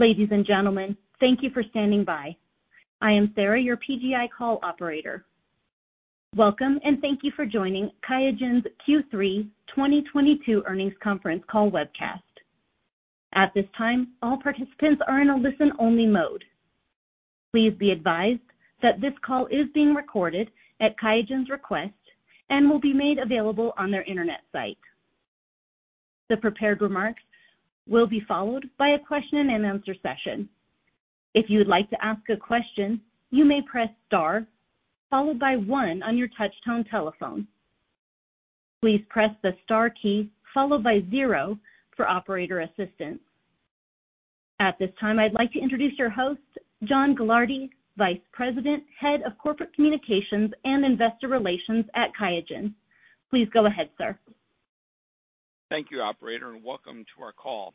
Ladies and gentlemen, thank you for standing by. I am Sarah, your PGI call operator. Welcome, and thank you for joining Qiagen's Q3 2022 earnings conference call webcast. At this time, all participants are in a listen-only mode. Please be advised that this call is being recorded at Qiagen's request and will be made available on their internet site. The prepared remarks will be followed by a question and answer session. If you would like to ask a question, you may press star, followed by one on your touchtone telephone. Please press the star key followed by zero for operator assistance. At this time, I'd like to introduce your host, John Gilardi, Vice President, Head of Corporate Communications and Investor Relations at Qiagen. Please go ahead, sir. Thank you, operator. Welcome to our call.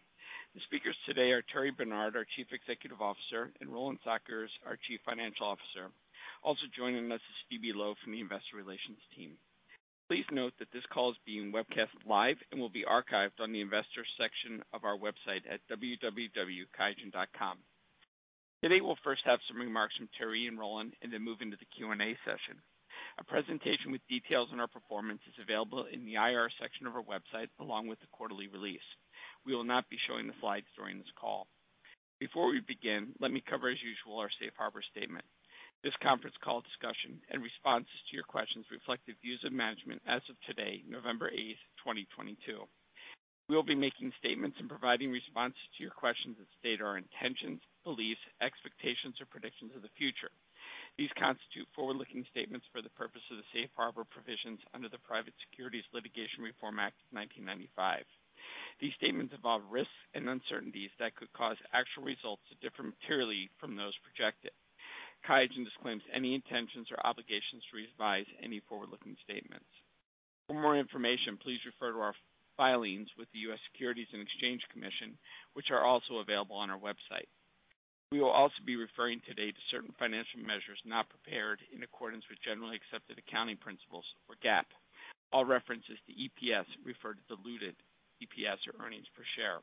The speakers today are Thierry Bernard, our Chief Executive Officer, and Roland Sackers, our Chief Financial Officer. Also joining us is Phoebe Loh from the Investor Relations team. Please note that this call is being webcast live and will be archived on the investors section of our website at www.qiagen.com. Today, we'll first have some remarks from Thierry and Roland, then move into the Q&A session. A presentation with details on our performance is available in the IR section of our website, along with the quarterly release. We will not be showing the slides during this call. Before we begin, let me cover as usual our safe harbor statement. This conference call discussion and responses to your questions reflect the views of management as of today, November 8th, 2022. We'll be making statements and providing responses to your questions that state our intentions, beliefs, expectations, or predictions of the future. These constitute forward-looking statements for the purpose of the safe harbor provisions under the Private Securities Litigation Reform Act of 1995. These statements involve risks and uncertainties that could cause actual results to differ materially from those projected. Qiagen disclaims any intentions or obligations to revise any forward-looking statements. For more information, please refer to our filings with the U.S. Securities and Exchange Commission, which are also available on our website. We will also be referring today to certain financial measures not prepared in accordance with generally accepted accounting principles or GAAP. All references to EPS refer to diluted EPS or earnings per share.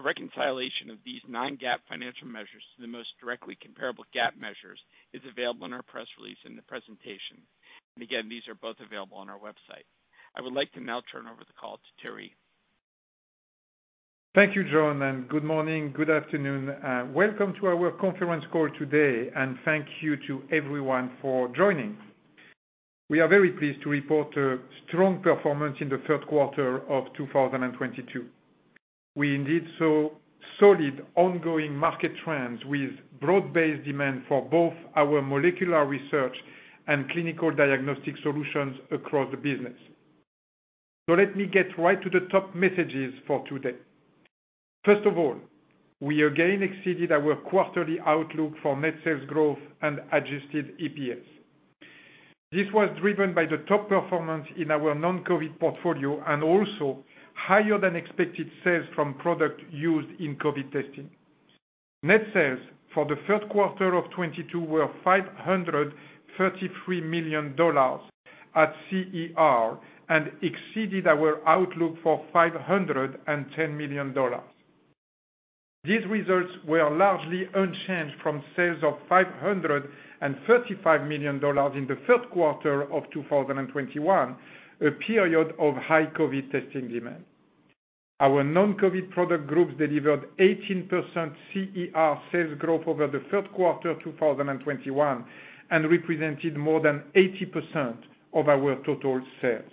A reconciliation of these non-GAAP financial measures to the most directly comparable GAAP measures is available in our press release in the presentation. Again, these are both available on our website. I would like to now turn over the call to Thierry. Thank you, John. Good morning, good afternoon, and welcome to our conference call today, and thank you to everyone for joining. We are very pleased to report a strong performance in the third quarter of 2022. We indeed saw solid ongoing market trends with broad-based demand for both our molecular research and clinical diagnostic solutions across the business. Let me get right to the top messages for today. First of all, we again exceeded our quarterly outlook for net sales growth and adjusted EPS. This was driven by the top performance in our non-COVID portfolio and also higher than expected sales from product used in COVID testing. Net sales for the third quarter of 2022 were $533 million at CER and exceeded our outlook for $510 million. These results were largely unchanged from sales of $535 million in the third quarter of 2021, a period of high COVID testing demand. Our non-COVID product groups delivered 18% CER sales growth over the third quarter of 2021 and represented more than 80% of our total sales.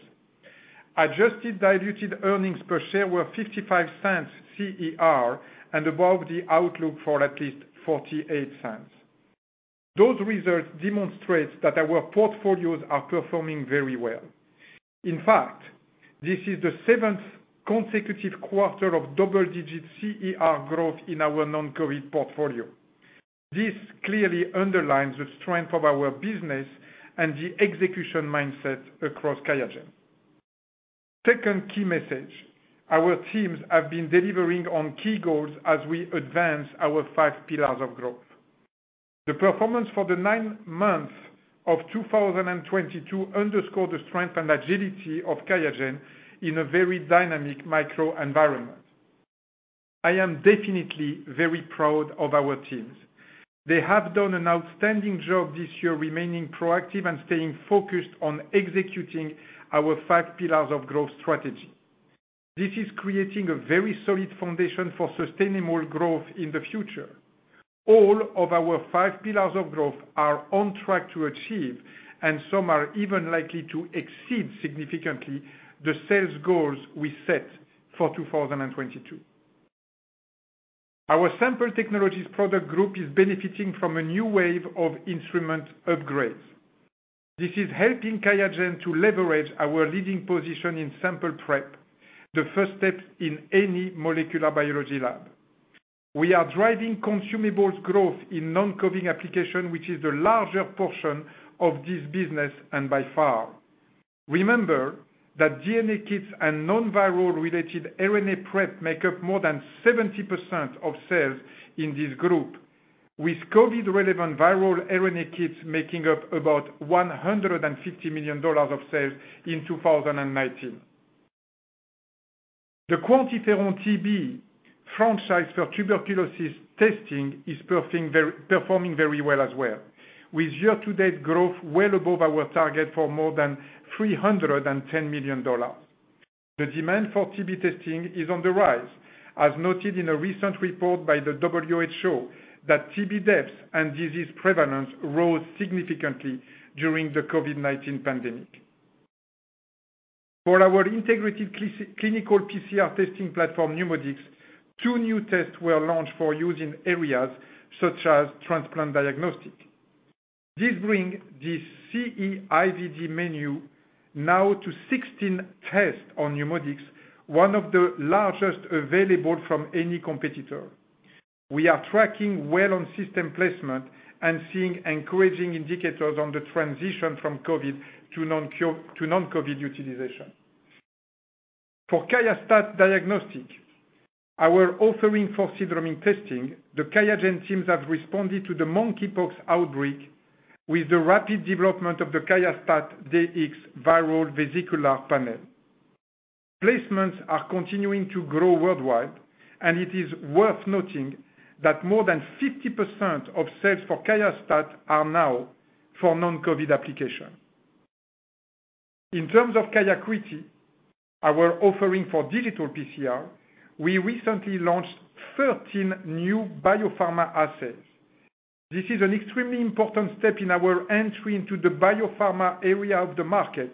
Adjusted diluted earnings per share were $0.55 CER and above the outlook for at least $0.48. Those results demonstrate that our portfolios are performing very well. In fact, this is the seventh consecutive quarter of double-digit CER growth in our non-COVID portfolio. This clearly underlines the strength of our business and the execution mindset across QIAGEN. Second key message. Our teams have been delivering on key goals as we advance our five pillars of growth. The performance for the nine months of 2022 underscore the strength and agility of QIAGEN in a very dynamic microenvironment. I am definitely very proud of our teams. They have done an outstanding job this year remaining proactive and staying focused on executing our five pillars of growth strategy. This is creating a very solid foundation for sustainable growth in the future. All of our five pillars of growth are on track to achieve, and some are even likely to exceed significantly the sales goals we set for 2022. Our sample technologies product group is benefiting from a new wave of instrument upgrades. This is helping QIAGEN to leverage our leading position in sample prep, the first steps in any molecular biology lab. We are driving consumables growth in non-COVID application, which is the larger portion of this business and by far. Remember that DNA kits and non-viral related RNA prep make up more than 70% of sales in this group. With COVID relevant viral RNA kits making up about $150 million of sales in 2019. The QuantiFERON-TB franchise for tuberculosis testing is performing very well as well, with year-to-date growth well above our target for more than $310 million. The demand for TB testing is on the rise, as noted in a recent report by the WHO, that TB deaths and disease prevalence rose significantly during the COVID-19 pandemic. For our integrated clinical PCR testing platform, NeuMoDx, two new tests were launched for use in areas such as transplant diagnostic. This bring the CE-IVD menu now to 16 tests on NeuMoDx, one of the largest available from any competitor. We are tracking well on system placement and seeing encouraging indicators on the transition from COVID to non-COVID utilization. For QIAstat-Dx, our offering for syndromic testing, the QIAGEN teams have responded to the mpox outbreak with the rapid development of the QIAstat-Dx viral vesicular panel. Placements are continuing to grow worldwide, and it is worth noting that more than 50% of sales for QIAstat-Dx are now for non-COVID application. In terms of QIAcuity, our offering for digital PCR, we recently launched 13 new biopharma assets. This is an extremely important step in our entry into the biopharma area of the market,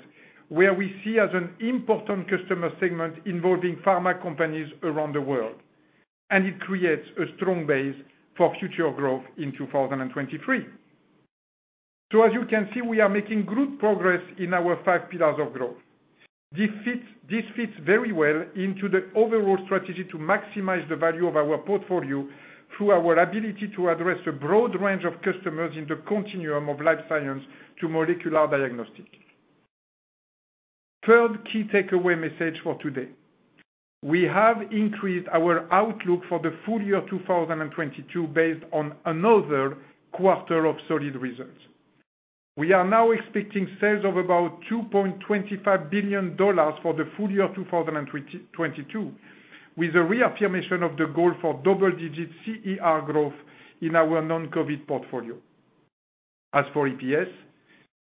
where we see as an important customer segment involving pharma companies around the world, and it creates a strong base for future growth in 2023. As you can see, we are making good progress in our five pillars of growth. This fits very well into the overall strategy to maximize the value of our portfolio through our ability to address a broad range of customers in the continuum of life science to molecular diagnostic. Third key takeaway message for today, we have increased our outlook for the full year 2022 based on another quarter of solid results. We are now expecting sales of about $2.25 billion for the full year 2022, with a reaffirmation of the goal for double-digit CER growth in our non-COVID portfolio. As for EPS,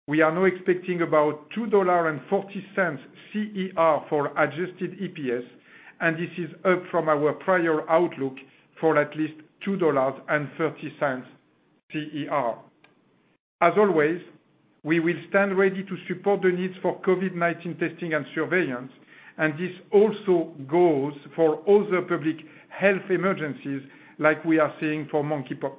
we are now expecting about $2.40 CER for adjusted EPS, and this is up from our prior outlook for at least $2.30 CER. As always, we will stand ready to support the needs for COVID-19 testing and surveillance, and this also goes for other public health emergencies like we are seeing for mpox.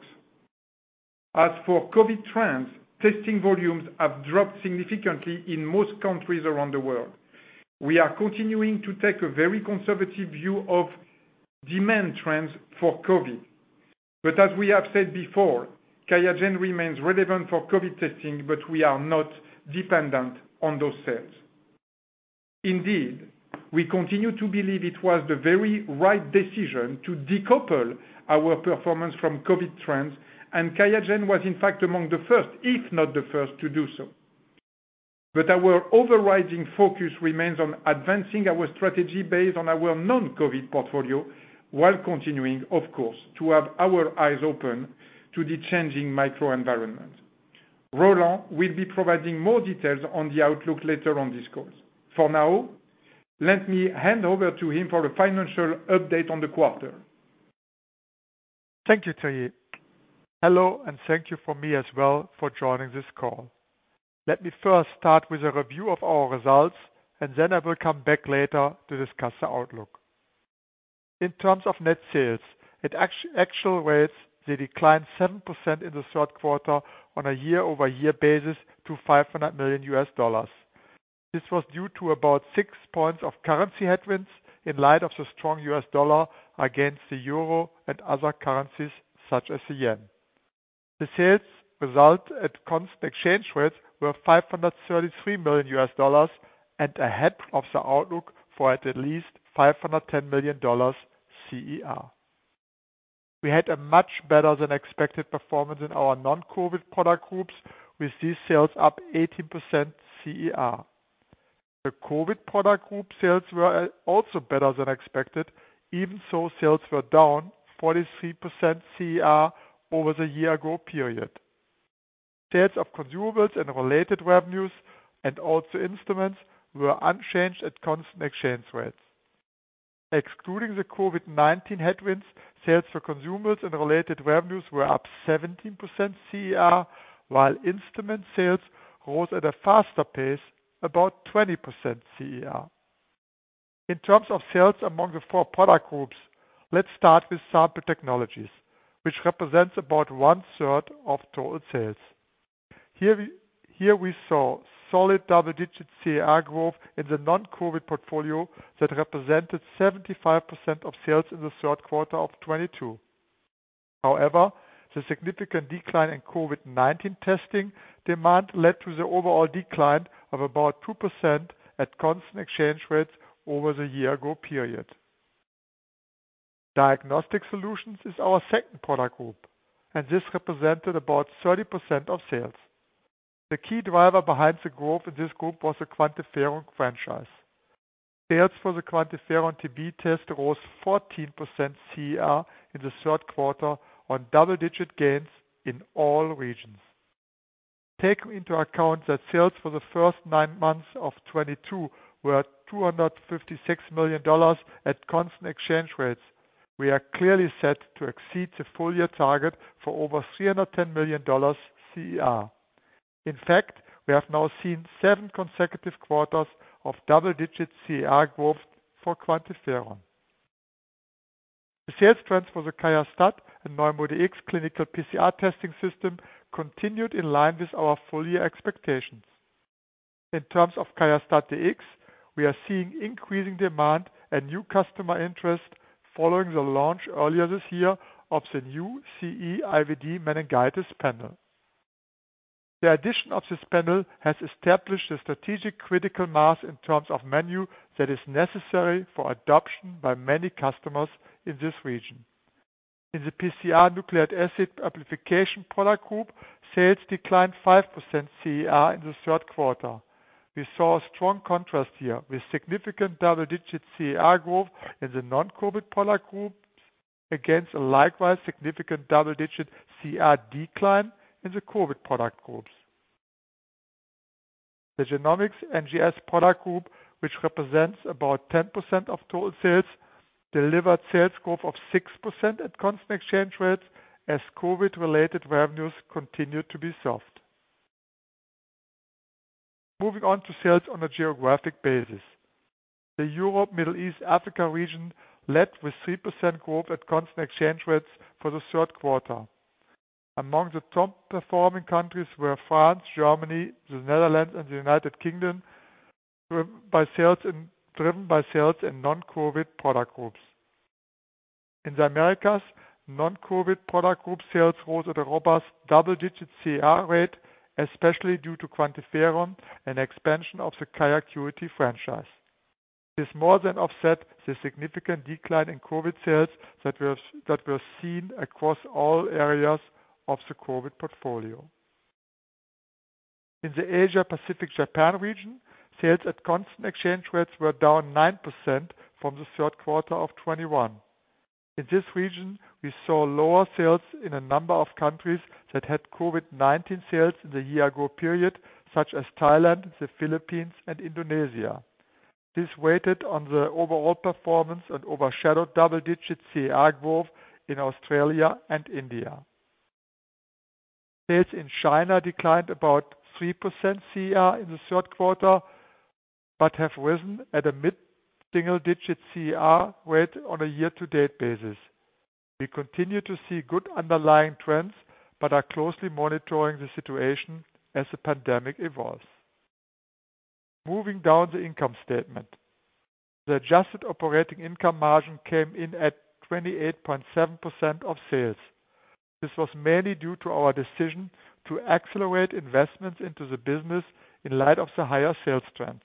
As for COVID trends, testing volumes have dropped significantly in most countries around the world. We are continuing to take a very conservative view of demand trends for COVID. As we have said before, QIAGEN remains relevant for COVID testing, but we are not dependent on those sales. Indeed, we continue to believe it was the very right decision to decouple our performance from COVID trends, and QIAGEN was in fact among the first, if not the first, to do so. Our overriding focus remains on advancing our strategy based on our non-COVID portfolio, while continuing, of course, to have our eyes open to the changing microenvironment. Roland will be providing more details on the outlook later on this call. For now, let me hand over to him for a financial update on the quarter. Thank you, Thierry. Hello, and thank you from me as well for joining this call. Let me first start with a review of our results, and then I will come back later to discuss the outlook. In terms of net sales, at actual rates, they declined 7% in the third quarter on a year-over-year basis to $500 million. This was due to about six points of currency headwinds in light of the strong U.S. dollar against the EUR and other currencies such as the JPY. The sales result at constant exchange rates were $533 million and ahead of the outlook for at least $510 million CER. We had a much better than expected performance in our non-COVID product groups, with these sales up 18% CER. The COVID product group sales were also better than expected, even so, sales were down 43% CER over the year-ago period. Sales of consumables and related revenues, also instruments were unchanged at constant exchange rates. Excluding the COVID-19 headwinds, sales for consumables and related revenues were up 17% CER, while instrument sales rose at a faster pace, about 20% CER. In terms of sales among the four product groups, let's start with sample technologies, which represents about one-third of total sales. Here we saw solid double-digit CER growth in the non-COVID portfolio that represented 75% of sales in the third quarter of 2022. The significant decline in COVID-19 testing demand led to the overall decline of about 2% at constant exchange rates over the year ago period. Diagnostic Solutions is our second product group, this represented about 30% of sales. The key driver behind the growth in this group was the QuantiFERON franchise. Sales for the QuantiFERON-TB test rose 14% CER in the third quarter on double-digit gains in all regions. Take into account that sales for the first nine months of 2022 were $256 million at constant exchange rates. We are clearly set to exceed the full year target for over $310 million CER. In fact, we have now seen seven consecutive quarters of double-digit CER growth for QuantiFERON. The sales trends for the QIAstat and NeuMoDx clinical PCR testing system continued in line with our full year expectations. In terms of QIAstat-Dx, we are seeing increasing demand and new customer interest following the launch earlier this year of the new CE-IVD meningitis panel. The addition of this panel has established a strategic critical mass in terms of menu that is necessary for adoption by many customers in this region. In the PCR nucleic acid amplification product group, sales declined 5% CER in the third quarter. We saw a strong contrast here with significant double-digit CER growth in the non-COVID product groups against a likewise significant double-digit CER decline in the COVID product groups. The Genomics/NGS product group, which represents about 10% of total sales, delivered sales growth of 6% at constant exchange rates as COVID related revenues continued to be soft. Moving on to sales on a geographic basis. The Europe Middle East Africa region led with 3% growth at constant exchange rates for the third quarter. Among the top performing countries were France, Germany, the Netherlands, and the United Kingdom, driven by sales in non-COVID product groups. In the Americas, non-COVID product group sales rose at a robust double-digit CER rate, especially due to QuantiFERON and expansion of the QIAcuity franchise. This more than offset the significant decline in COVID sales that were seen across all areas of the COVID portfolio. In the Asia Pacific Japan region, sales at constant exchange rates were down 9% from the third quarter of 2021. In this region, we saw lower sales in a number of countries that had COVID-19 sales in the year ago period, such as Thailand, the Philippines, and Indonesia. This weighted on the overall performance and overshadowed double-digit CER growth in Australia and India. Sales in China declined about 3% CER in the third quarter, have risen at a mid-single digit CER rate on a year to date basis. We continue to see good underlying trends, but are closely monitoring the situation as the pandemic evolves. Moving down the income statement. The adjusted operating income margin came in at 28.7% of sales. This was mainly due to our decision to accelerate investments into the business in light of the higher sales trends.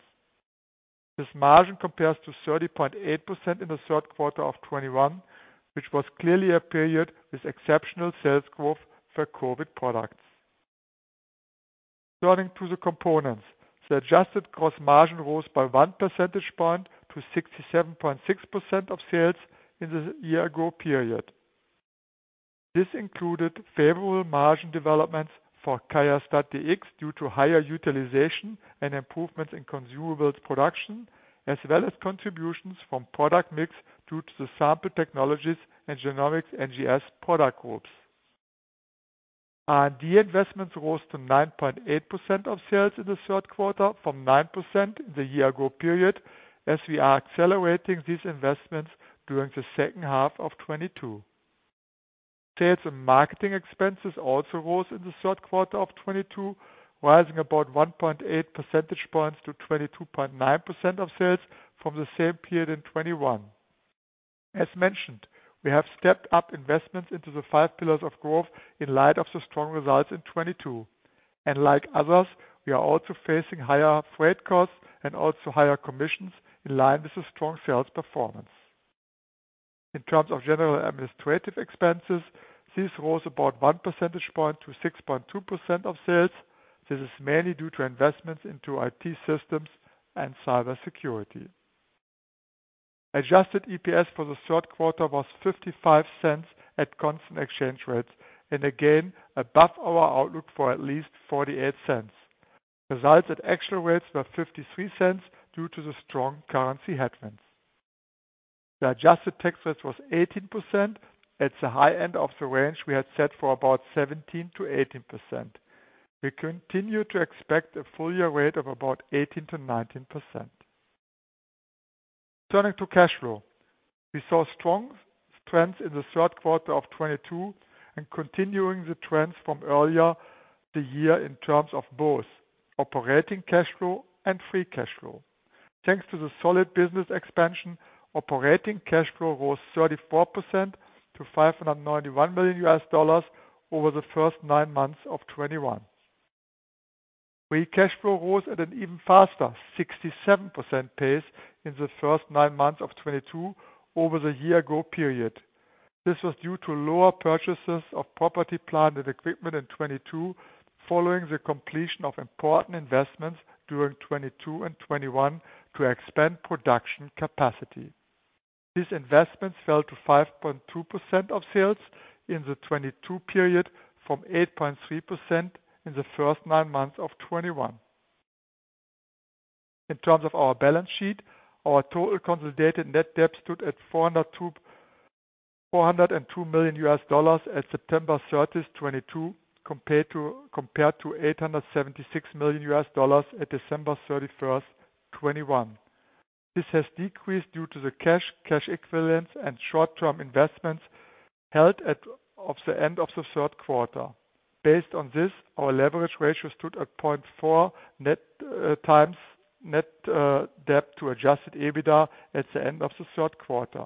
This margin compares to 30.8% in the third quarter of 2021, which was clearly a period with exceptional sales growth for COVID products. Turning to the components. The adjusted gross margin rose by one percentage point to 67.6% of sales in the year ago period. This included favorable margin developments for QIAstat-Dx due to higher utilization and improvements in consumables production, as well as contributions from product mix due to the sample technologies and Genomics/NGS product groups. R&D investments rose to 9.8% of sales in the third quarter from 9% in the year ago period as we are accelerating these investments during the second half of 2022. Sales and marketing expenses also rose in the third quarter of 2022, rising about 1.8 percentage points to 22.9% of sales from the same period in 2021. As mentioned, we have stepped up investments into the five pillars of growth in light of the strong results in 2022. Like others, we are also facing higher freight costs and also higher commissions in line with the strong sales performance. In terms of general administrative expenses, this rose about one percentage point to 6.2% of sales. This is mainly due to investments into IT systems and cybersecurity. Adjusted EPS for the third quarter was $0.55 at constant exchange rates and again above our outlook for at least $0.48. Results at actual rates were $0.53 due to the strong currency headwinds. The adjusted tax rate was 18% at the high end of the range we had set for about 17%-18%. We continue to expect a full year rate of about 18%-19%. Turning to cash flow. We saw strong trends in the third quarter of 2022 and continuing the trends from earlier the year in terms of both operating cash flow and free cash flow. Thanks to the solid business expansion, operating cash flow rose 34% to $591 million over the first nine months of 2021. Free cash flow rose at an even faster 67% pace in the first nine months of 2022 over the year ago period. This was due to lower purchases of property, plant, and equipment in 2022, following the completion of important investments during 2022 and 2021 to expand production capacity. These investments fell to 5.2% of sales in the 2022 period from 8.3% in the first nine months of 2021. In terms of our balance sheet, our total consolidated net debt stood at $402 million as September 30th, 2022, compared to $876 million at December 31st, 2021. This has decreased due to the cash equivalents, and short-term investments held at the end of the third quarter. Based on this, our leverage ratio stood at 0.4 net times net debt to adjusted EBITDA at the end of the third quarter.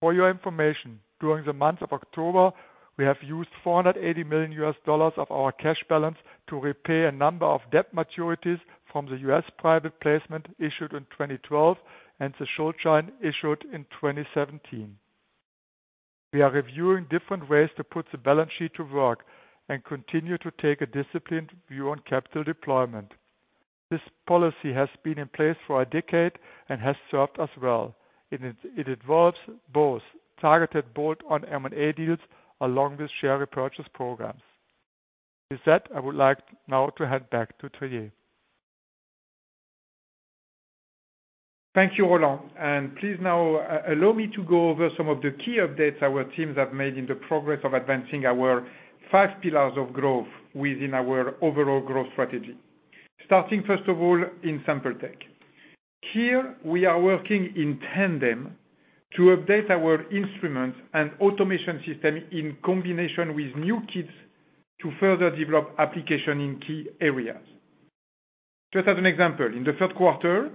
For your information, during the month of October, we have used $480 million of our cash balance to repay a number of debt maturities from the U.S. private placement issued in 2012 and the short-term issued in 2017. We are reviewing different ways to put the balance sheet to work and continue to take a disciplined view on capital deployment. This policy has been in place for a decade and has served us well. It involves both targeted bolt-on M&A deals along with share repurchase programs. With that, I would like now to hand back to Thierry. Thank you, Roland. Please now allow me to go over some of the key updates our teams have made in the progress of advancing our five pillars of growth within our overall growth strategy. Starting first of all in Sample Tech. Here, we are working in tandem to update our instruments and automation system in combination with new kits to further develop application in key areas. Just as an example, in the third quarter,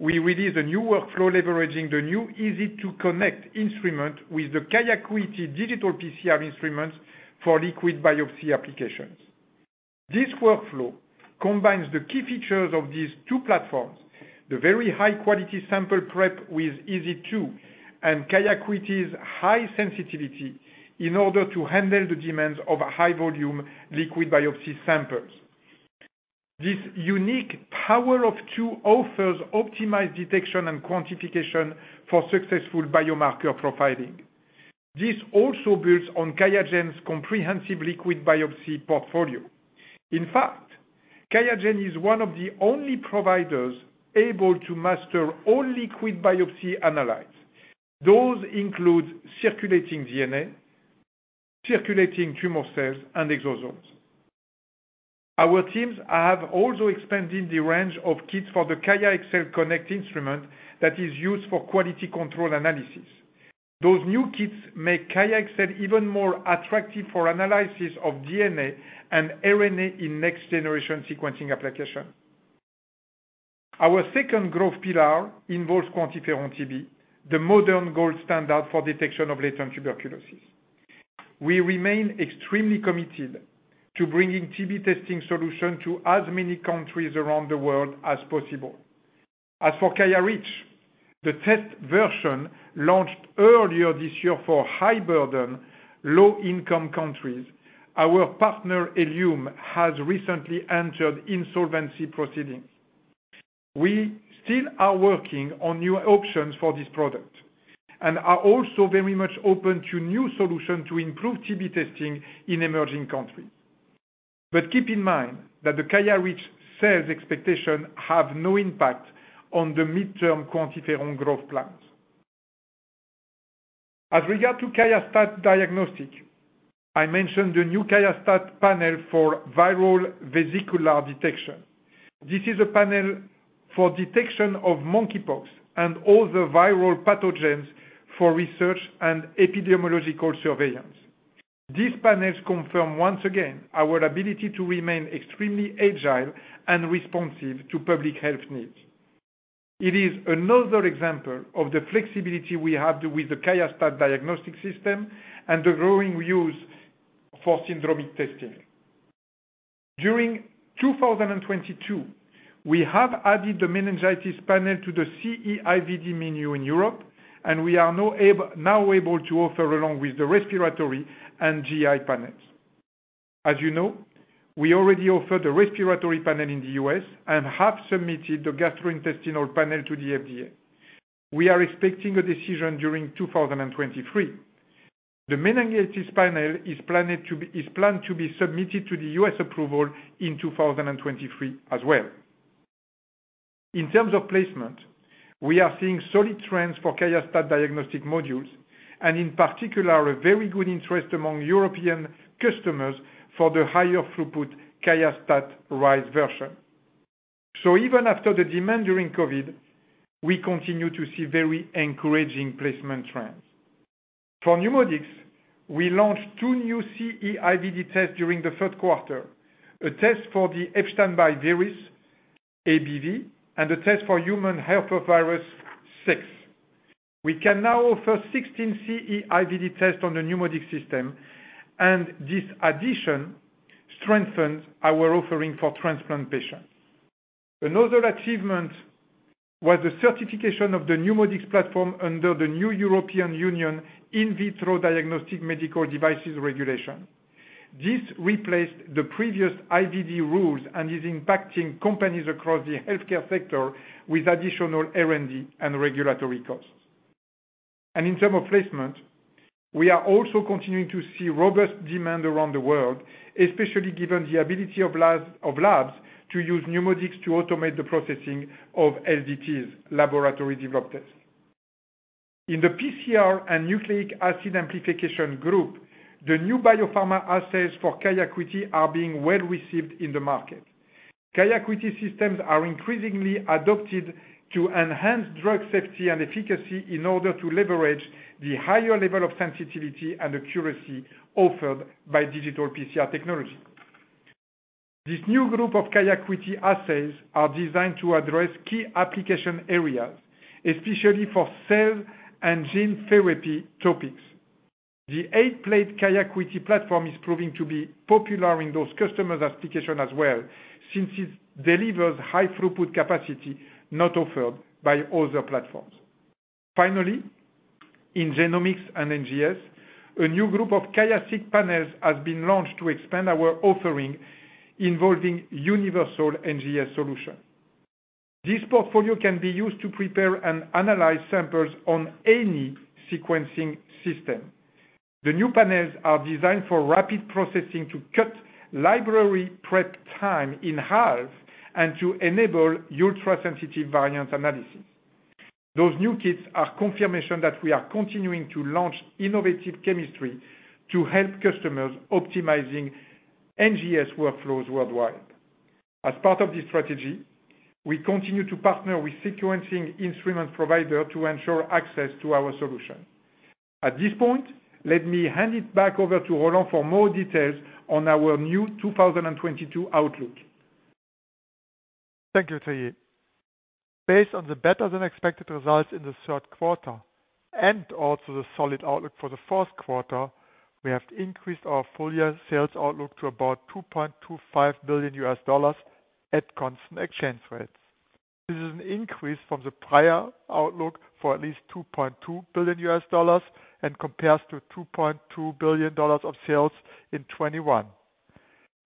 we released a new workflow leveraging the new EZ2 Connect instrument with the QIAcuity digital PCR instruments for liquid biopsy applications. This workflow combines the key features of these two platforms, the very high-quality sample prep with EZ2 and QIAcuity's high sensitivity in order to handle the demands of high volume liquid biopsy samples. This unique power of two offers optimized detection and quantification for successful biomarker profiling. This also builds on QIAGEN's comprehensive liquid biopsy portfolio. In fact, QIAGEN is one of the only providers able to master all liquid biopsy analyses. Those include circulating DNA, circulating tumor cells, and exosomes. Our teams have also expanded the range of kits for the QIAxcel Connect instrument that is used for quality control analysis. Those new kits make QIAxcel even more attractive for analysis of DNA and RNA in next-generation sequencing application. Our second growth pillar involves QuantiFERON-TB, the modern gold standard for detection of latent tuberculosis. We remain extremely committed to bringing TB testing solution to as many countries around the world as possible. As for QIAreach, the test version launched earlier this year for high burden, low-income countries. Our partner, Ellume, has recently entered insolvency proceedings. We still are working on new options for this product and are also very much open to new solutions to improve TB testing in emerging countries. Keep in mind that the QIAreach sales expectation have no impact on the mid-term QuantiFERON growth plans. As regard to QIAstat-Dx, I mentioned the new QIAstat-Dx panel for viral vesicular detection. This is a panel for detection of mpox and other viral pathogens for research and epidemiological surveillance. These panels confirm once again our ability to remain extremely agile and responsive to public health needs. It is another example of the flexibility we have with the QIAstat-Dx system and the growing use for syndromic testing. During 2022, we have added the meningitis panel to the CE-IVD menu in Europe, and we are now able to offer along with the respiratory and GI panels. As you know, we already offer the respiratory panel in the U.S. and have submitted the gastrointestinal panel to the FDA. We are expecting a decision during 2023. The meningitis panel is planned to be submitted to the U.S. approval in 2023 as well. In terms of placement, we are seeing solid trends for QIAstat-Dx modules, and in particular, a very good interest among European customers for the higher throughput QIAstat-Dx Rise version. Even after the demand during COVID, we continue to see very encouraging placement trends. For NeuMoDx, we launched 2 new CE-IVD tests during the third quarter, a test for the Epstein-Barr virus, EBV, and a test for human herpesvirus 6. We can now offer 16 CE-IVD tests on the NeuMoDx system, and this addition strengthens our offering for transplant patients. Another achievement was the certification of the NeuMoDx platform under the new European Union In Vitro Diagnostic Medical Devices Regulation. This replaced the previous IVD rules and is impacting companies across the healthcare sector with additional R&D and regulatory costs. In terms of placement, we are also continuing to see robust demand around the world, especially given the ability of labs to use NeuMoDx to automate the processing of LDTs, laboratory developed tests. In the PCR and nucleic acid amplification group, the new biopharma assays for QIAcuity are being well received in the market. QIAcuity systems are increasingly adopted to enhance drug safety and efficacy in order to leverage the higher level of sensitivity and accuracy offered by digital PCR technology. This new group of QIAcuity assays are designed to address key application areas, especially for cell and gene therapy topics. The eight-plate QIAcuity platform is proving to be popular in those customers' applications as well, since it delivers high throughput capacity not offered by other platforms. In genomics and NGS, a new group of QIAseq panels has been launched to expand our offering involving universal NGS solution. This portfolio can be used to prepare and analyze samples on any sequencing system. The new panels are designed for rapid processing to cut library prep time in half and to enable ultrasensitive variant analysis. Those new kits are confirmation that we are continuing to launch innovative chemistry to help customers optimizing NGS workflows worldwide. As part of this strategy, we continue to partner with sequencing instrument providers to ensure access to our solution. At this point, let me hand it back over to Roland for more details on our new 2022 outlook. Thank you, Thierry. Based on the better than expected results in the third quarter and also the solid outlook for the fourth quarter, we have increased our full-year sales outlook to about $2.25 billion at constant exchange rates. This is an increase from the prior outlook for at least $2.2 billion and compares to $2.2 billion of sales in 2021.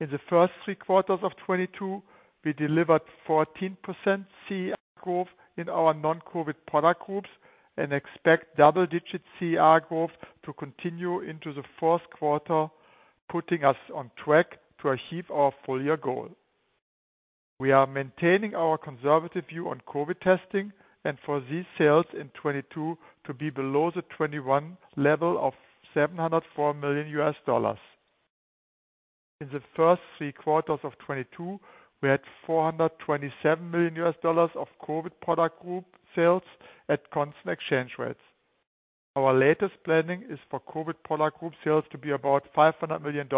In the first 3 quarters of 2022, we delivered 14% CER growth in our non-COVID product groups and expect double-digit CER growth to continue into the fourth quarter, putting us on track to achieve our full-year goal. We are maintaining our conservative view on COVID testing and for these sales in 2022 to be below the 2021 level of $704 million. In the first 3 quarters of 2022, we had $427 million of COVID product group sales at constant exchange rates. Our latest planning is for COVID product group sales to be about $500 million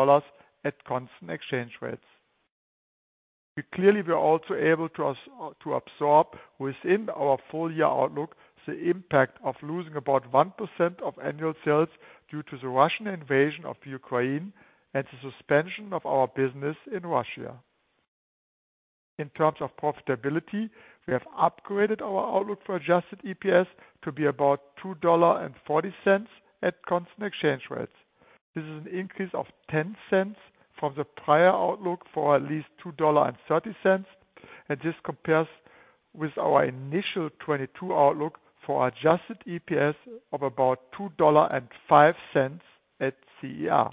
at constant exchange rates. Clearly, we are also able to absorb within our full-year outlook the impact of losing about 1% of annual sales due to the Russian invasion of Ukraine and the suspension of our business in Russia. In terms of profitability, we have upgraded our outlook for adjusted EPS to be about $2.40 at constant exchange rates. This is an increase of $0.10 from the prior outlook for at least $2.30, and this compares with our initial 2022 outlook for adjusted EPS of about $2.05 at CER.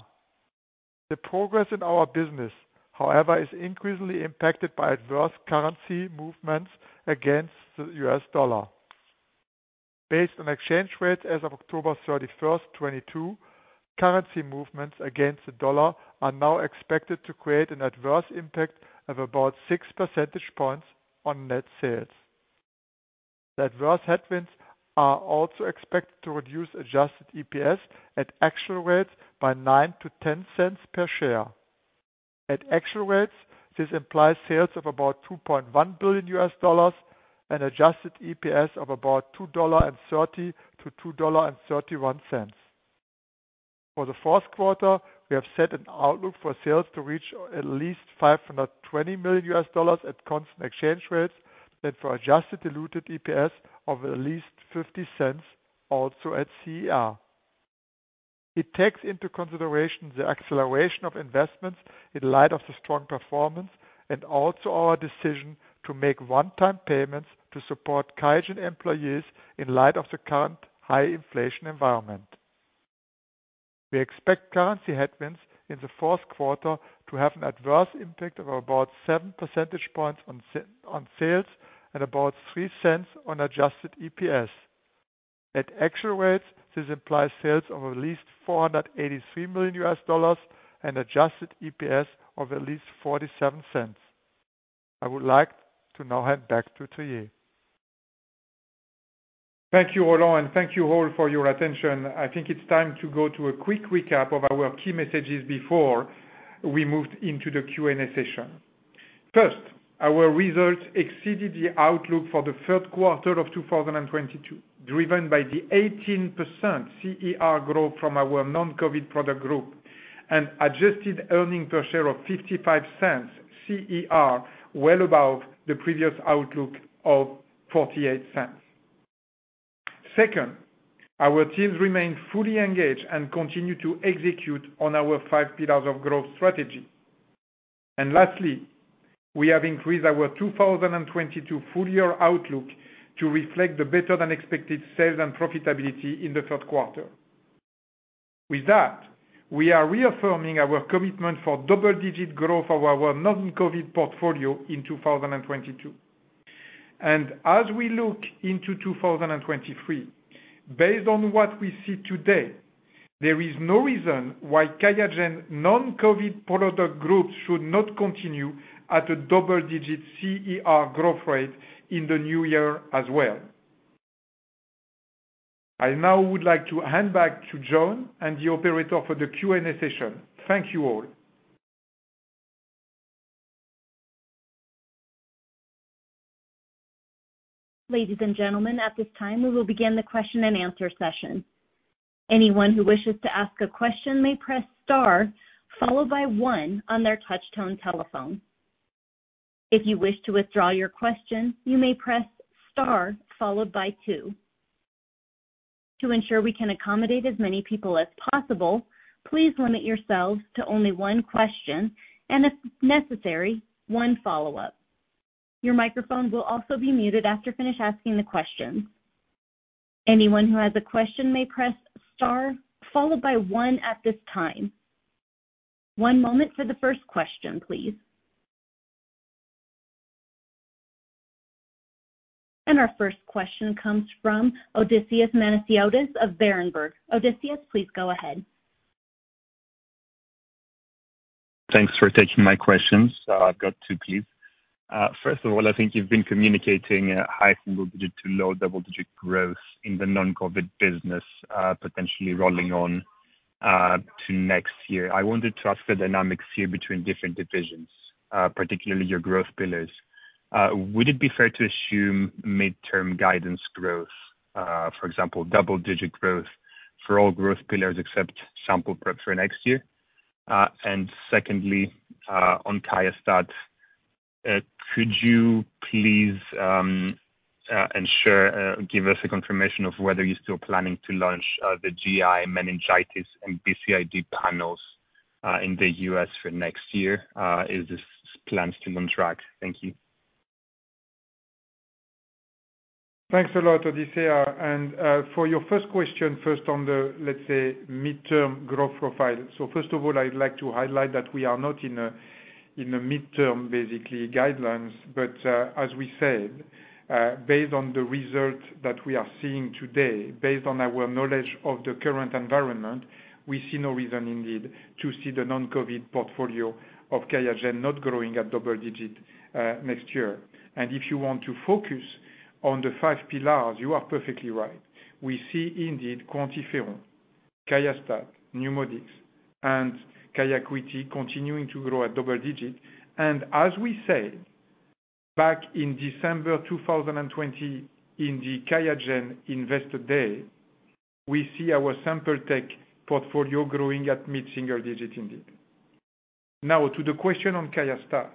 The progress in our business, however, is increasingly impacted by adverse currency movements against the U.S. dollar. Based on exchange rates as of October 31st, 2022, currency movements against the dollar are now expected to create an adverse impact of about 6 percentage points on net sales. The adverse headwinds are also expected to reduce adjusted EPS at actual rates by $0.09-$0.10 per share. At actual rates, this implies sales of about $2.1 billion U.S. and adjusted EPS of about $2.30-$2.31. For the fourth quarter, we have set an outlook for sales to reach at least $520 million at constant exchange rates and for adjusted diluted EPS of at least $0.50, also at CER. It takes into consideration the acceleration of investments in light of the strong performance and also our decision to make one-time payments to support Qiagen employees in light of the current high inflation environment. We expect currency headwinds in the fourth quarter to have an adverse impact of about 7 percentage points on sales and about $0.03 on adjusted EPS. At actual rates, this implies sales of at least $483 million and adjusted EPS of at least $0.47. I would like to now hand back to Thierry. Thank you, Roland. Thank you all for your attention. I think it's time to go to a quick recap of our key messages before we move into the Q&A session. First, our results exceeded the outlook for the third quarter of 2022, driven by the 18% CER growth from our non-COVID product group, and adjusted EPS of $0.55 CER, well above the previous outlook of $0.48. Second, our teams remain fully engaged and continue to execute on our 5 pillars of growth strategy. Lastly, we have increased our 2022 full-year outlook to reflect the better than expected sales and profitability in the third quarter. With that, we are reaffirming our commitment for double-digit growth of our non-COVID portfolio in 2022. As we look into 2023, based on what we see today, there is no reason why QIAGEN non-COVID product groups should not continue at a double-digit CER growth rate in the new year as well. I now would like to hand back to John and the operator for the Q&A session. Thank you all. Ladies and gentlemen, at this time, we will begin the question and answer session. Anyone who wishes to ask a question may press star, followed by one on their touchtone telephone. If you wish to withdraw your question, you may press star followed by two. To ensure we can accommodate as many people as possible, please limit yourselves to only one question, and if necessary, one follow-up. Your microphone will also be muted after finish asking the question. Anyone who has a question may press star, followed by one at this time. One moment for the first question, please. Our first question comes from Odysseas Manesiotis of Berenberg. Odysseas, please go ahead. Thanks for taking my questions. I've got two, please. First of all, I think you've been communicating high single digit to low double-digit growth in the non-COVID business, potentially rolling on to next year. I wanted to ask the dynamics here between different divisions, particularly your growth pillars. Would it be fair to assume midterm guidance growth? For example, double-digit growth for all growth pillars except sample prep for next year. Secondly, on QIAstat-Dx, could you please give us a confirmation of whether you're still planning to launch the GI meningitis and BCID panels in the U.S. for next year? Is this plan still on track? Thank you. Thanks a lot, Odysseas. For your first question first on the, let's say, midterm growth profile. First of all, I'd like to highlight that we are not in a midterm, basically, guidelines. As we said, based on the results that we are seeing today, based on our knowledge of the current environment, we see no reason indeed to see the non-COVID portfolio of QIAGEN not growing at double-digit next year. If you want to focus on the five pillars, you are perfectly right. We see indeed QuantiFERON, QIAstat-Dx, NeuMoDx, and QIAcuity continuing to grow at double-digit. As we said back in December 2020 in the QIAGEN Investor Day, we see our sample tech portfolio growing at mid-single digit indeed. Now to the question on QIAstat-Dx.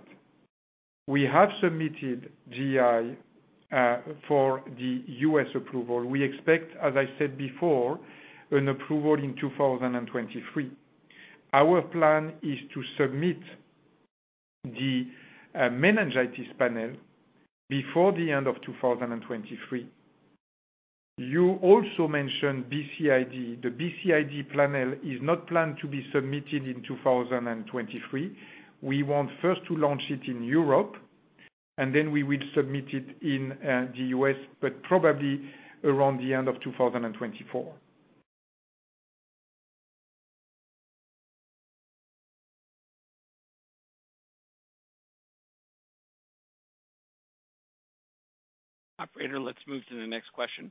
We have submitted GI for the U.S. approval. We expect, as I said before, an approval in 2023. Our plan is to submit the meningitis panel before the end of 2023. You also mentioned BCID. The BCID panel is not planned to be submitted in 2023. We want first to launch it in Europe, then we will submit it in the U.S., but probably around the end of 2024. Operator, let's move to the next question.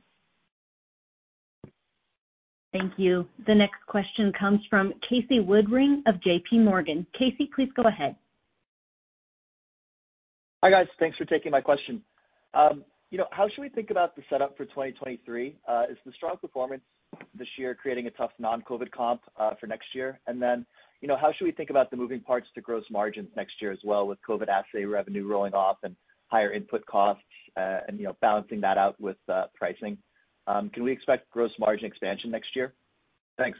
Thank you. The next question comes from Casey Woodring of J.P. Morgan. Casey, please go ahead. Hi, guys. Thanks for taking my question. How should we think about the setup for 2023? Is the strong performance this year creating a tough non-COVID comp for next year? Then, how should we think about the moving parts to gross margins next year as well with COVID assay revenue rolling off and higher input costs, balancing that out with pricing? Can we expect gross margin expansion next year? Thanks.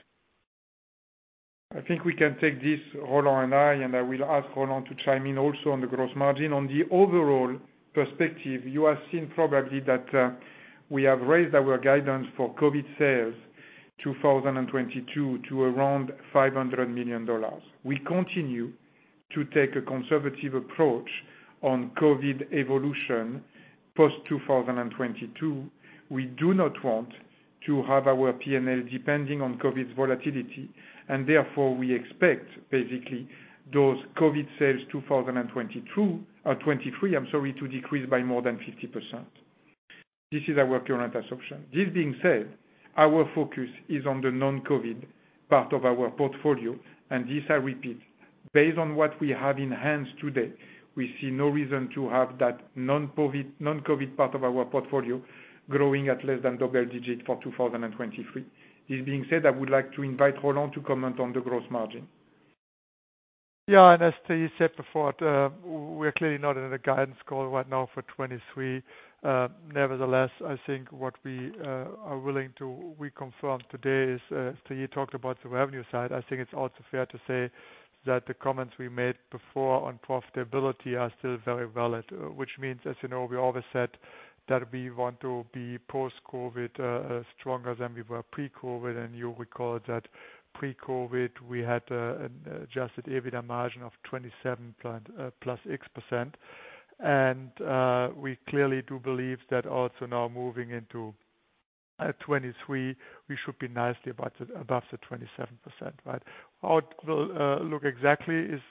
I think we can take this, Roland and I. I will ask Roland to chime in also on the gross margin. On the overall perspective, you have seen probably that we have raised our guidance for COVID sales 2022 to around $500 million. We continue to take a conservative approach on COVID evolution post-2022. We do not want to have our P&L depending on COVID's volatility. Therefore, we expect basically those COVID sales 2023 to decrease by more than 50%. This is our current assumption. This being said, our focus is on the non-COVID part of our portfolio. This I repeat, based on what we have in hands today, we see no reason to have that non-COVID part of our portfolio growing at less than double digit for 2023. This being said, I would like to invite Roland to comment on the gross margin. As you said before, we're clearly not in a guidance call right now for 2023. Nevertheless, I think what we are willing to reconfirm today is, you talked about the revenue side. I think it's also fair to say that the comments we made before on profitability are still very valid. Which means, as you know, we always said that we want to be post-COVID, stronger than we were pre-COVID. You recall that pre-COVID, we had an adjusted EBITDA margin of 27 point plus X%. We clearly do believe that also now moving into 2023, we should be nicely above the 27%. How it will look exactly is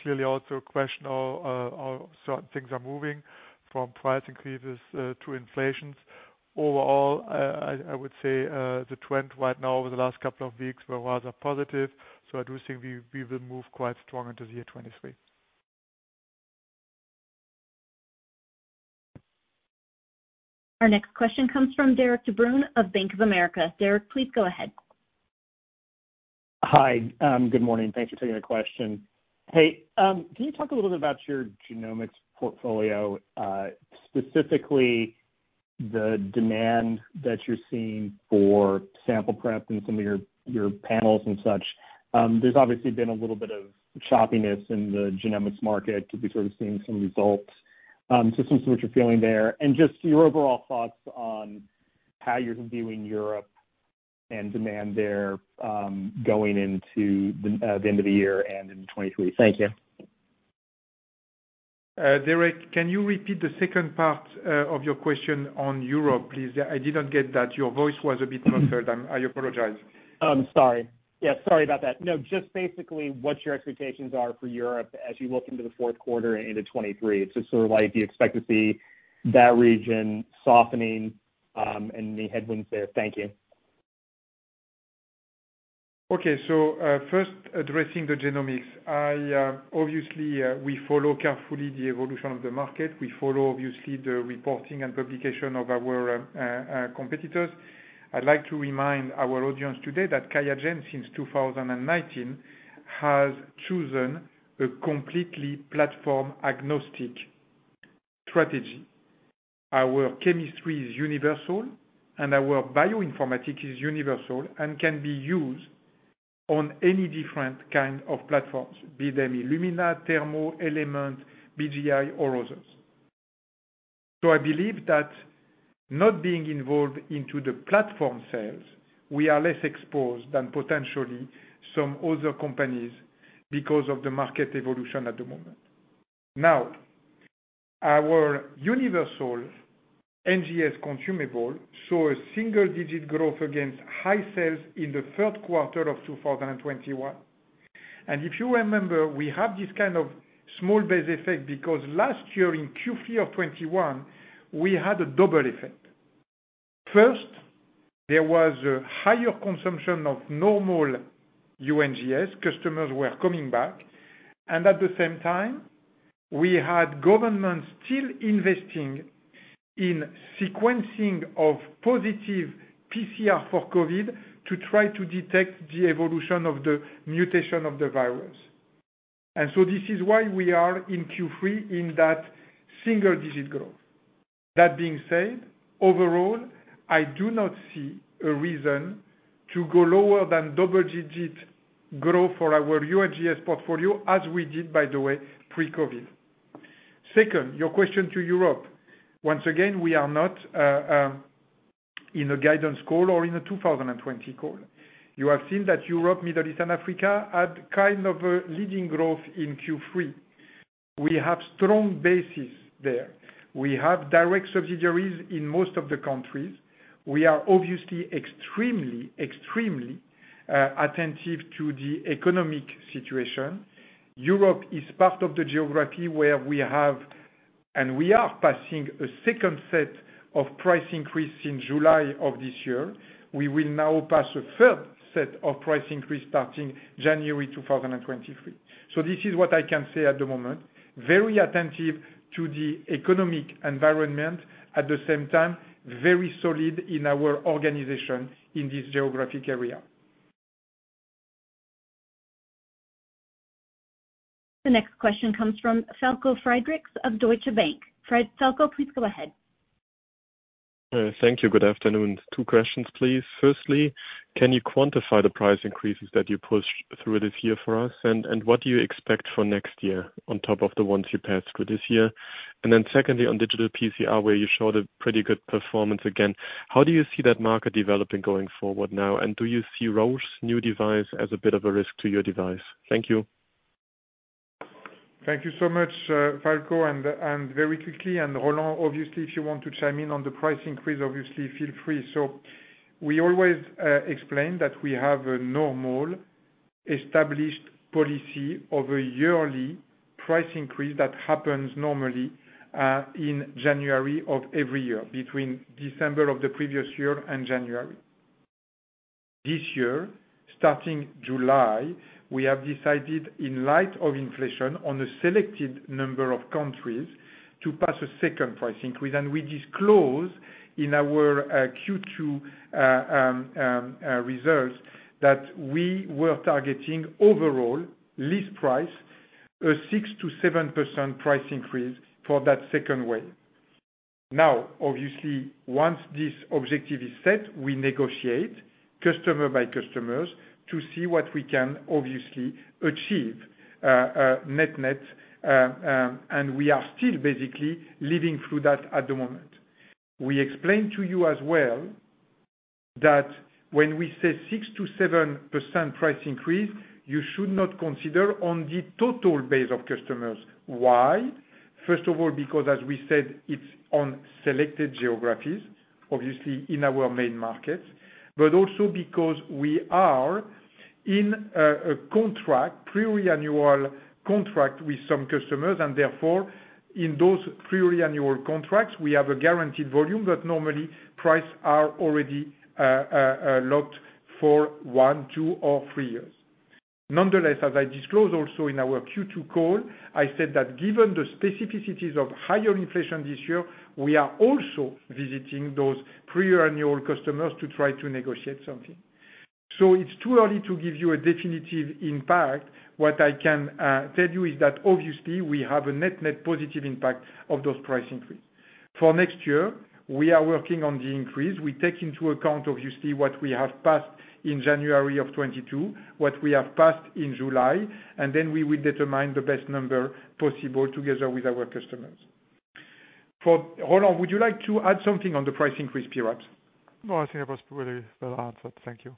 clearly also a question of certain things are moving from price increases to inflations. I would say the trend right now over the last couple of weeks were rather positive. I do think we will move quite strong into the year 2023. Our next question comes from Derik De Bruin of Bank of America. Derik, please go ahead. Hi, good morning. Thanks for taking the question. Hey, can you talk a little bit about your genomics portfolio, specifically the demand that you're seeing for sample prep and some of your panels and such? There's obviously been a little bit of choppiness in the genomics market. We're sort of seeing some results. Just what you're feeling there, and just your overall thoughts on how you're viewing Europe and demand there, going into the end of the year and into 2023. Thank you. Derik, can you repeat the second part of your question on Europe, please? I didn't get that. Your voice was a bit muffled, and I apologize. Sorry. Yeah, sorry about that. Just basically what your expectations are for Europe as you look into the fourth quarter into 2023. Sort of like, do you expect to see that region softening, and any headwinds there? Thank you. Okay. First addressing the genomics. We follow carefully the evolution of the market. We follow, obviously, the reporting and publication of our competitors. I'd like to remind our audience today that Qiagen since 2019, has chosen a completely platform agnostic strategy. Our chemistry is universal, and our bioinformatics is universal and can be used on any different kind of platforms, be them Illumina, Thermo, Element, BGI or others. I believe that not being involved into the platform sales, we are less exposed than potentially some other companies because of the market evolution at the moment. Now, our universal NGS consumable saw a single-digit growth against high sales in the third quarter of 2021. If you remember, we have this kind of small base effect because last year in Q3 of 2021, we had a double effect. First, there was a higher consumption of normal UNGS. Customers were coming back. At the same time, we had governments still investing in sequencing of positive PCR for COVID to try to detect the evolution of the mutation of the virus. This is why we are in Q3 in that single-digit growth. That being said, overall, I do not see a reason to go lower than double-digit growth for our UNGS portfolio as we did, by the way, pre-COVID. Second, your question to Europe. Once again, we are not in a guidance call or in a 2020 call. You have seen that Europe, Middle East, and Africa had kind of a leading growth in Q3. We have strong bases there. We have direct subsidiaries in most of the countries. We are obviously extremely attentive to the economic situation. Europe is part of the geography where we have, and we are passing a second set of price increase in July of this year. We will now pass a third set of price increase starting January 2023. This is what I can say at the moment. Very attentive to the economic environment. At the same time, very solid in our organization in this geographic area. The next question comes from Falko Friedrichs of Deutsche Bank. Falko, please go ahead. Thank you. Good afternoon. Two questions, please. Firstly, can you quantify the price increases that you pushed through this year for us? What do you expect for next year on top of the ones you passed through this year? Secondly, on digital PCR, where you showed a pretty good performance again, how do you see that market developing going forward now? Do you see Roche's new device as a bit of a risk to your device? Thank you. Thank you so much, Falko. Very quickly, Roland, obviously, if you want to chime in on the price increase, obviously feel free. We always explain that we have a normal established policy of a yearly price increase that happens normally in January of every year, between December of the previous year and January. This year, starting July, we have decided in light of inflation on a selected number of countries to pass a second price increase. We disclose in our Q2 results that we were targeting overall list price, a 6%-7% price increase for that second wave. Obviously, once this objective is set, we negotiate customer by customer to see what we can obviously achieve net-net, and we are still basically living through that at the moment. We explained to you as well that when we say 6%-7% price increase, you should not consider on the total base of customers. Why? First of all because as we said, it's on selected geographies, obviously in our main markets, but also because we are in a contract, pre-annual contract with some customers, and therefore, in those pre-annual contracts, we have a guaranteed volume that normally price are already locked for one, two, or three years. Nonetheless, as I disclosed also in our Q2 call, I said that given the specificities of higher inflation this year, we are also visiting those pre-annual customers to try to negotiate something. It's too early to give you a definitive impact. What I can tell you is that obviously we have a net positive impact of those price increase. For next year, we are working on the increase. We take into account obviously what we have passed in January of 2022, what we have passed in July. We will determine the best number possible together with our customers. For Roland, would you like to add something on the price increase, Pirats? No, I think that was really well answered. Thank you.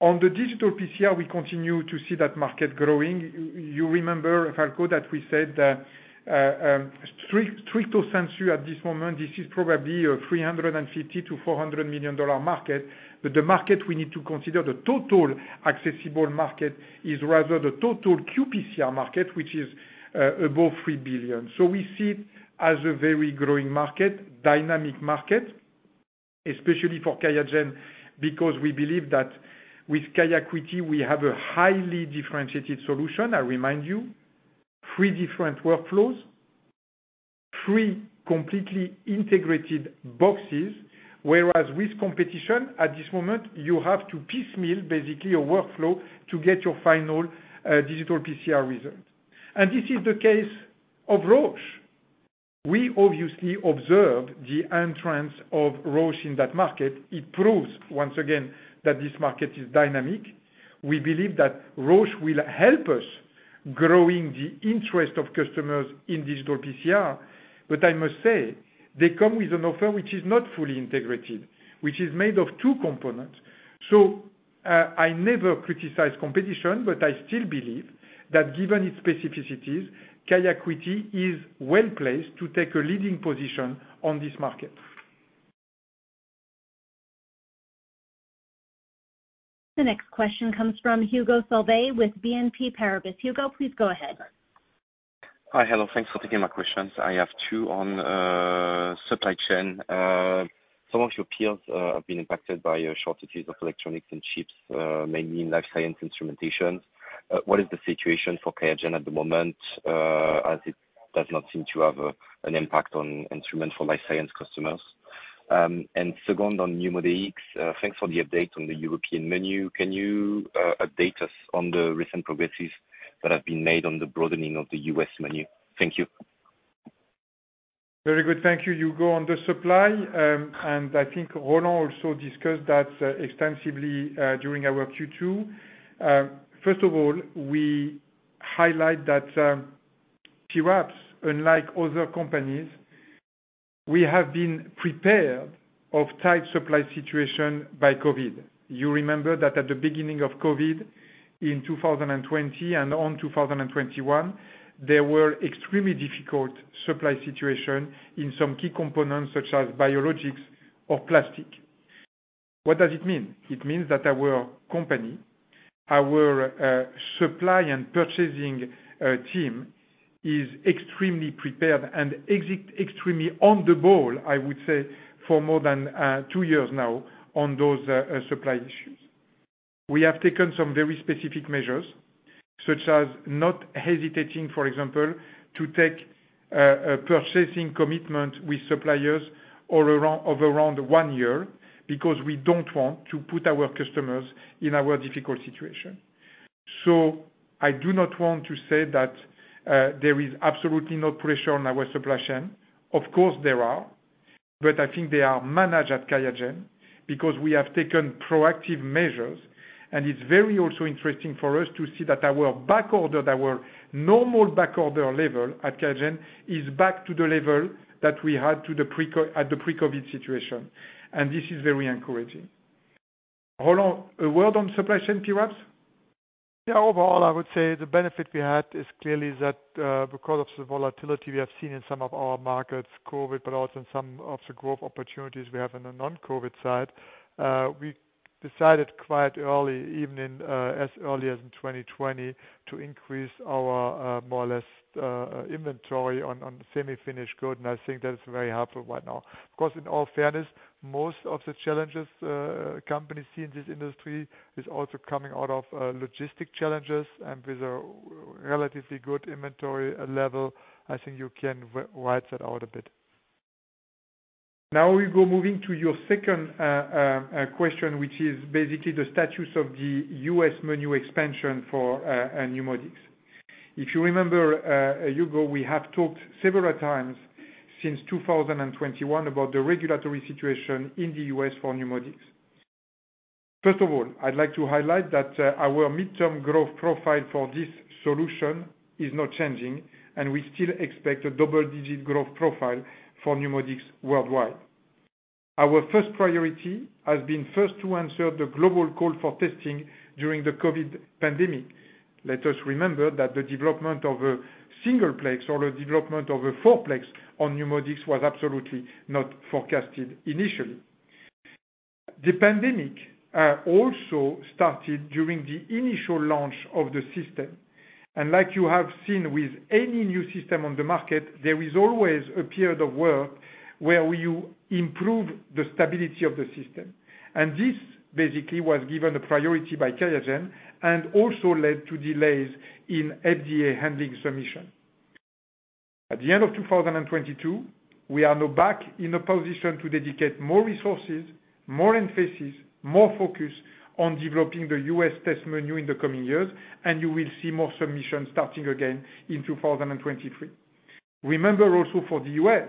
On the digital PCR, we continue to see that market growing. You remember, Falko, that we said that Strep two sensor at this moment, this is probably a $350 million-$400 million market. The market we need to consider, the total accessible market, is rather the total qPCR market, which is above $3 billion. We see it as a very growing market, dynamic market, especially for QIAGEN, because we believe that with QIAcuity, we have a highly differentiated solution. I remind you, three different workflows, three completely integrated boxes, whereas with competition at this moment, you have to piecemeal basically a workflow to get your final digital PCR result. This is the case of Roche. We obviously observe the entrance of Roche in that market. It proves once again that this market is dynamic. We believe that Roche will help us growing the interest of customers in digital PCR. I must say, they come with an offer which is not fully integrated, which is made of two components. I never criticize competition, but I still believe that given its specificities, QIAcuity is well-placed to take a leading position on this market. The next question comes from Hugo Sauve with BNP Paribas. Hugo, please go ahead. Hi. Hello. Thanks for taking my questions. I have two on supply chain. Some of your peers have been impacted by shortages of electronics and chips, mainly in life science instrumentation. What is the situation for QIAGEN at the moment, as it does not seem to have an impact on instruments for life science customers? Second, on NeuMoDx, thanks for the update on the European menu. Can you update us on the recent progresses that have been made on the broadening of the U.S. menu? Thank you. Very good. Thank you, Hugo. On the supply, and I think Roland also discussed that extensively during our Q2. First of all, we highlight that, QIAGEN, unlike other companies, we have been prepared of tight supply situation by COVID. You remember that at the beginning of COVID in 2020 and in 2021, there were extremely difficult supply situation in some key components, such as biologics or plastic. What does it mean? It means that our company, our supply and purchasing team is extremely prepared and extremely on the ball, I would say, for more than two years now on those supply issues. We have taken some very specific measures, such as not hesitating, for example, to take a purchasing commitment with suppliers of around one year, because we don't want to put our customers in a difficult situation. I do not want to say that there is absolutely no pressure on our supply chain. Of course, there are, but I think they are managed at QIAGEN because we have taken proactive measures, and it's very also interesting for us to see that our backorder, our normal backorder level at QIAGEN, is back to the level that we had at the pre-COVID situation. This is very encouraging. Roland, a word on supply chain QIAGEN? Overall, I would say the benefit we had is clearly that because of the volatility we have seen in some of our markets, COVID, but also in some of the growth opportunities we have in the non-COVID side. We decided quite early, even as early as in 2020, to increase our more or less inventory on semi-finished goods, and I think that is very helpful right now. Of course, in all fairness, most of the challenges companies see in this industry is also coming out of logistic challenges and with a relatively good inventory level, I think you can ride that out a bit. We go moving to your second question, which is basically the status of the U.S. menu expansion for NeuMoDx. If you remember, Hugo, we have talked several times since 2021 about the regulatory situation in the U.S. for NeuMoDx. First of all, I'd like to highlight that our midterm growth profile for this solution is not changing, and we still expect a double-digit growth profile for NeuMoDx worldwide. Our first priority has been first to answer the global call for testing during the COVID pandemic. Let us remember that the development of a singleplex or the development of a fourplex on NeuMoDx was absolutely not forecasted initially. The pandemic also started during the initial launch of the system, and like you have seen with any new system on the market, there is always a period of work where you improve the stability of the system. This basically was given a priority by QIAGEN and also led to delays in FDA handling submission. At the end of 2022, we are now back in a position to dedicate more resources, more emphasis, more focus on developing the U.S. test menu in the coming years, and you will see more submissions starting again in 2023. Remember also for the U.S.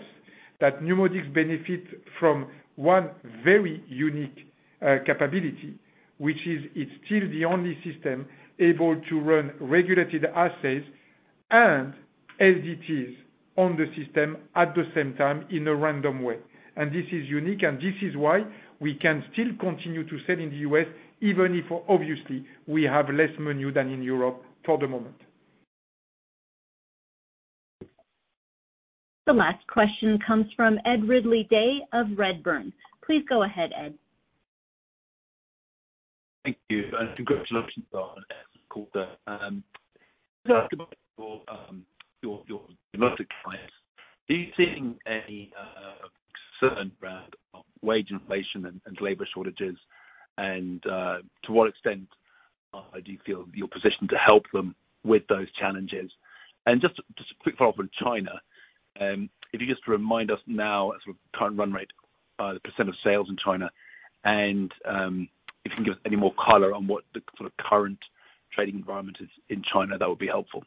that NeuMoDx benefits from one very unique capability, which is it's still the only system able to run regulated assays and LDTs on the system at the same time in a random way. This is unique, and this is why we can still continue to sell in the U.S., even if obviously we have less menu than in Europe for the moment. The last question comes from Ed Ridley-Day of Redburn. Please go ahead, Ed. Thank you, and congratulations on the quarter. Sure. Your domestic clients, are you seeing any concern around wage inflation and labor shortages? To what extent do you feel you're positioned to help them with those challenges? Just a quick follow-up on China. If you could just remind us now at sort of current run rate, the % of sales in China and if you can give us any more color on what the sort of current trading environment is in China, that would be helpful.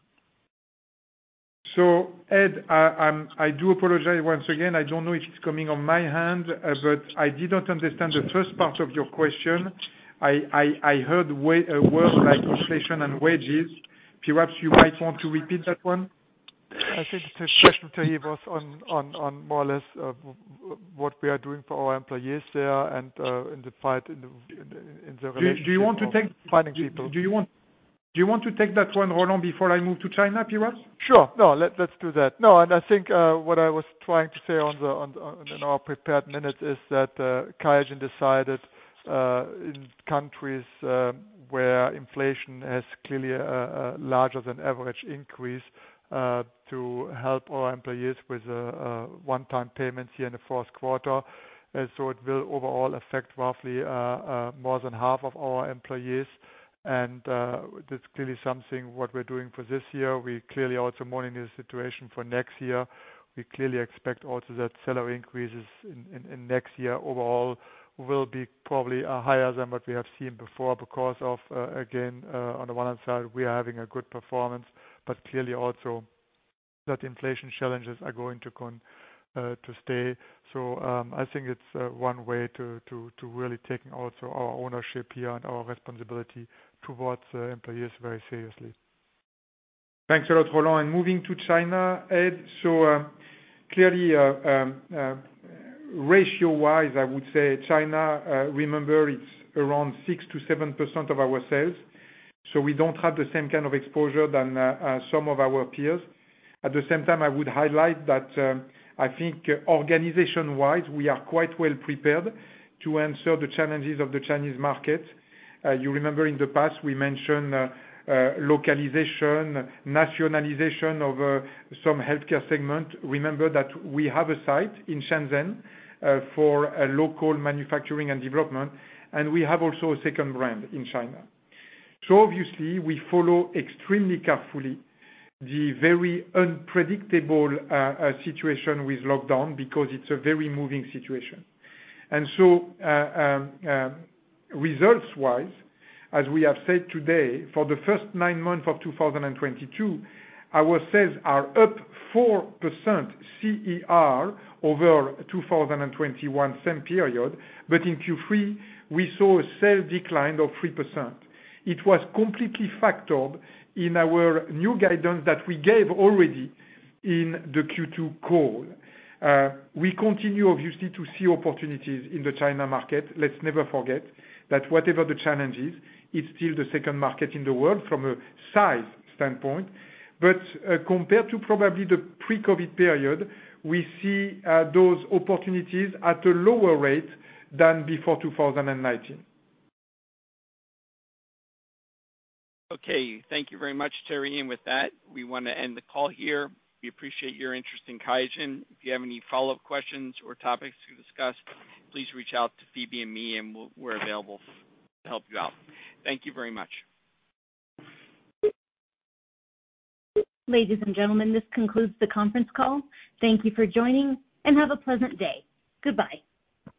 Ed, I do apologize once again. I don't know if it's coming on my end, but I did not understand the first part of your question. I heard words like inflation and wages. Perhaps you might want to repeat that one. I think the question, Thierry, was on more or less what we are doing for our employees there and in the relationship of finding people. Do you want to take that one, Roland, before I move to China, perhaps? Sure. No, let's do that. No, I think what I was trying to say in our prepared minutes is that QIAGEN decided in countries where inflation has clearly a larger than average increase to help our employees with one-time payments here in the fourth quarter. It will overall affect roughly more than half of our employees, and that's clearly something what we're doing for this year. We clearly also monitor the situation for next year. We clearly expect also that salary increases in next year overall will be probably higher than what we have seen before because of, again, on the one hand side, we are having a good performance, but clearly also that inflation challenges are going to stay. I think it's one way to really take also our ownership here and our responsibility towards employees very seriously. Thanks a lot, Roland. Moving to China, Ed. Clearly, ratio-wise, I would say China, remember it's around 6%-7% of our sales, we don't have the same kind of exposure than some of our peers. At the same time, I would highlight that I think organization-wise, we are quite well prepared to answer the challenges of the Chinese market. You remember in the past we mentioned localization, nationalization of some healthcare segment. Remember that we have a site in Shenzhen for local manufacturing and development, and we have also a second brand in China. Obviously we follow extremely carefully the very unpredictable situation with lockdown because it's a very moving situation. Results-wise, as we have said today, for the first nine months of 2022, our sales are up 4% CER over 2021 same period. In Q3, we saw a sales decline of 3%. It was completely factored in our new guidance that we gave already in the Q2 call. We continue obviously to see opportunities in the China market. Let's never forget that whatever the challenge is, it's still the second market in the world from a size standpoint. Compared to probably the pre-COVID period, we see those opportunities at a lower rate than before 2019. Okay, thank you very much, Thierry. With that, we want to end the call here. We appreciate your interest in QIAGEN. If you have any follow-up questions or topics to discuss, please reach out to Phoebe and me, and we're available to help you out. Thank you very much. Ladies and gentlemen, this concludes the conference call. Thank you for joining, have a pleasant day. Goodbye.